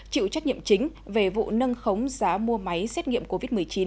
chịu trách nhiệm chính về vụ nâng khống giá mua máy xét nghiệm covid một mươi chín